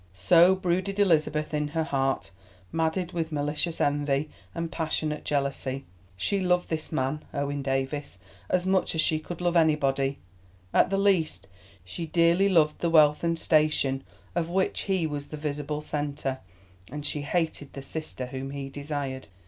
So brooded Elizabeth in her heart, maddened with malicious envy and passionate jealousy. She loved this man, Owen Davies, as much as she could love anybody; at the least, she dearly loved the wealth and station of which he was the visible centre, and she hated the sister whom he desired.